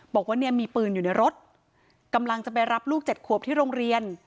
บอกว่าเนี่ยมีปืนอยู่ในรถกำลังจะไปรับลูกเจ็ดขวบที่โรงเรียน